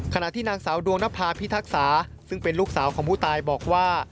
ขณะที่นางสาวดวงนภาพิทักษาซึ่งเป็นลูกสาวของผู้ตายบอกว่า